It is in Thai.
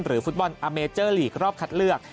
ฟุตบอลอาเมเจอร์ลีกรอบคัดเลือก